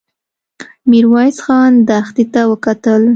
ميرويس خان دښتې ته وکتل.